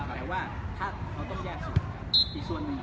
แต่ว่าถ้าเราต้องแยกสุดอีกส่วนหนึ่ง